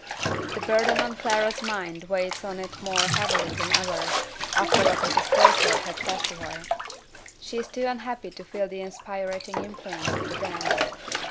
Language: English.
The burden on Clara's mind weighs on it more heavily than ever, after what Mrs. Crayford has said to her. She is too unhappy to feel the inspiriting influence of the dance.